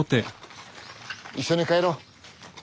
一緒に帰ろう。